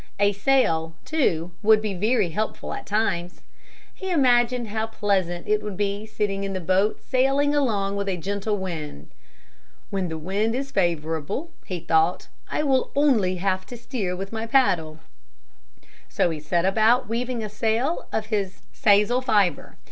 A sail too would be very helpful at times. He imagined how pleasant it would be sitting in the boat sailing along with a gentle wind. "When the wind is favorable," he thought, "I will only have to steer with my paddle." So he set about weaving a sail of his sisal fibre.